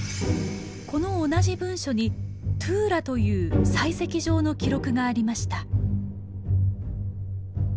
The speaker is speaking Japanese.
この同じ文書に「トゥーラ」という採石場の記録がありました。